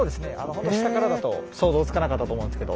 ほんと下からだと想像つかなかったと思うんですけど。